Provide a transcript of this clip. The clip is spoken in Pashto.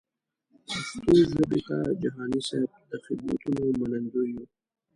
پښتو ژبې ته جهاني صېب د خدمتونو منندوی یو.